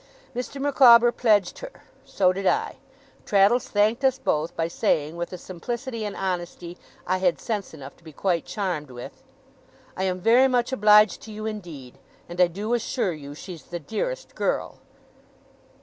Mr. Micawber pledged her. So did I. Traddles thanked us both, by saying, with a simplicity and honesty I had sense enough to be quite charmed with, 'I am very much obliged to you indeed. And I do assure you, she's the dearest girl!